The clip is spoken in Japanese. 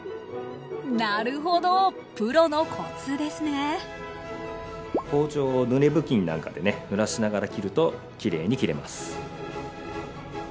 なるほどプロのコツですね包丁を濡れ布巾なんかでね濡らしながら切るときれいに切れます。